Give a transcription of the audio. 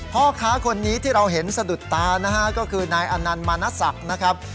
พ่อค้าคนนี้ที่เราเห็นสะดุดตานะฮะก็คือนายอนันต์มาณศักดิ์นะครับ